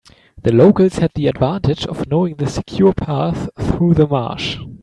The locals had the advantage of knowing the secure path through the marsh.